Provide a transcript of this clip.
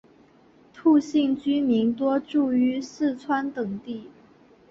兔姓居民多住于四川等地。